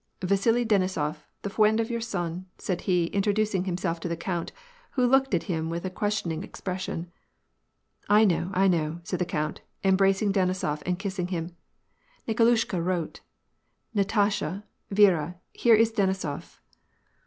" Vasili Denisof, the f wiend of your son," said he introduc ing himself to the count, who looked at him with a question ing expression. " I know, I know," said the count, embracing Denisof and kissing him. " Nikolushka wrote. Natasha, Viera, here is Denisof."